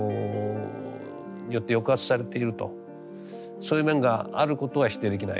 そういう面があることは否定できない。